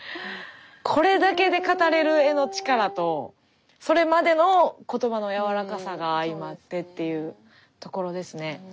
これだけで語れる絵の力とそれまでの言葉のやわらかさが相まってっていうところですね。